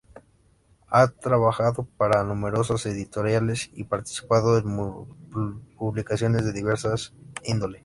Ha trabajado para numerosas editoriales y participado en publicaciones de diversa índole.